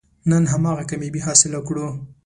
نن هماغه کامیابي حاصله کړو.